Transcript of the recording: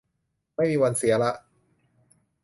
ไม่มีวันเสียละ